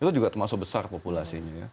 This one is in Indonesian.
itu juga termasuk besar populasinya ya